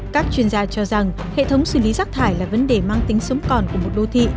các chuyên gia cho rằng hệ thống xử lý rác thải là vấn đề mang tính sống còn của một đô thị